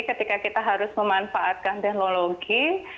ketika kita harus memanfaatkan teknologi